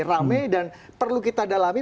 rame dan perlu kita dalami